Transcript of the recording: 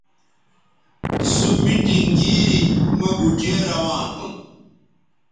سو میٹنگ گیری مہ گوٹھے روان ھُون